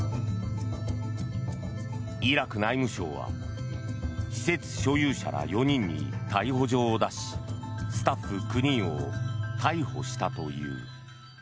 イラク内務省は施設所有者ら４人に逮捕状を出しスタッフ９人を逮捕したという。